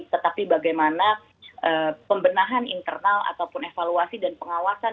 tetapi bagaimana pembenahan internal ataupun evaluasi dan pengawasan